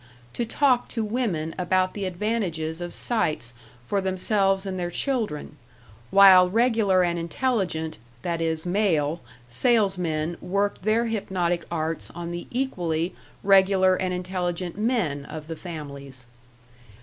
to talk to women about the advantages of sites for themselves and their children, while regular and intelligent (that is, male) salesmen worked their hypnotic arts on the equally regular and intelligent men of the families.